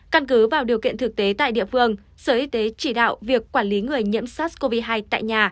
căn cứ vào điều kiện thực tế tại địa phương sở y tế chỉ đạo việc quản lý người nhiễm sars cov hai tại nhà